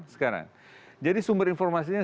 sekarang jadi sumber informasinya